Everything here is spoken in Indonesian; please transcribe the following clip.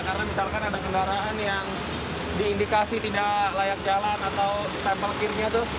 karena misalkan ada kendaraan yang diindikasi tidak layak jalan atau tempel kirknya tuh